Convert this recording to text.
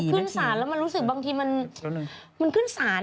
ขึ้นศาลแล้วมันรู้สึกบางทีมันขึ้นศาล